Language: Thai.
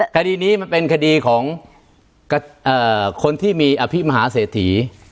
คดีนี้มันเป็นคดีของคนที่มีอภิมหาเศรษฐี